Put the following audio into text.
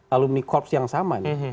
alumni korps yang sama nih